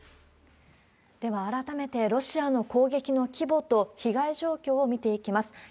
では、改めてロシアの攻撃の規模と被害状況を見ていきます。